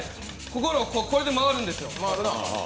ここ、これで回るんですよ。